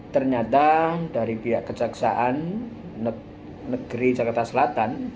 ternyata dari pihak kejaksaan negeri jakarta selatan